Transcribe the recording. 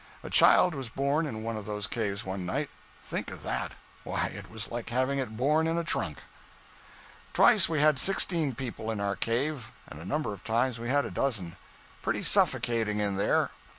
A child was born in one of those caves one night, Think of that; why, it was like having it born in a trunk. 'Twice we had sixteen people in our cave; and a number of times we had a dozen. Pretty suffocating in there.